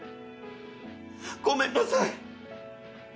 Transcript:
ごめんなさい！